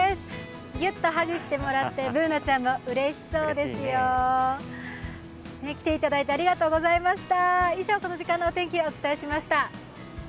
ぎゅっとハグしてもらってＢｏｏｎａちゃんもうれしそうですよ来ていただいてありがとうございました。